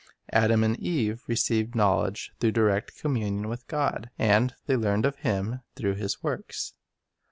Adam and Eve received knowledge through direct communion with God; and they learned of Him through His works.